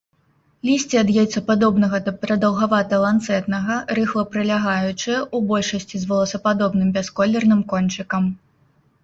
Лісце ад яйцападобнага да прадаўгавата-ланцэтнага, рыхла-прылягаючае, у большасці з воласападобным бясколерным кончыкам.